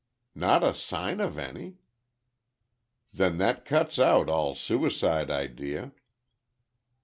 "Not a sign of any—" "Then that cuts out all suicide idea."